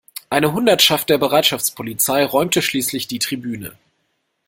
Eine Hundertschaft der Bereitschaftspolizei räumte schließlich die Tribüne.